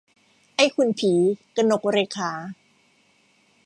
ไอ้คุณผี - กนกเรขา